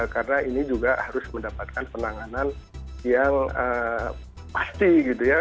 karena ini juga harus mendapatkan penanganan yang pasti gitu ya